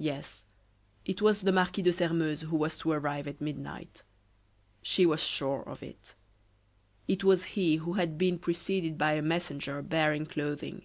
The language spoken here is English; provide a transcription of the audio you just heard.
Yes, it was the Marquis de Sairmeuse who was to arrive at midnight. She was sure of it. It was he who had been preceded by a messenger bearing clothing.